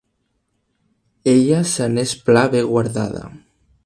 Ella se n'és pla bé guardada.